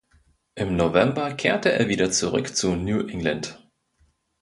Im November kehrte er wieder zurück zu New England.